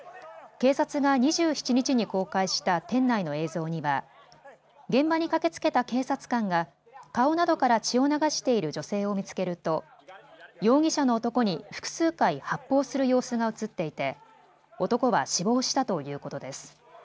警察が２７日に公開した店内の映像には現場に駆けつけた警察官が顔などから血を流している女性を見つけると容疑者の男に複数回、発砲する様子が映っていて男は死亡したということです。